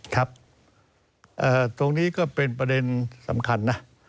ครับตรงนี้ก็เป็นประเด็นสำคัญนะ